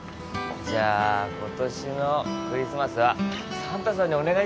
じゃことしのクリスマスはサンタさんにお願いしなきゃな。